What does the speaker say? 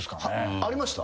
ありました？